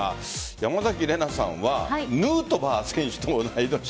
山崎怜奈さんはヌートバー選手とも同い年？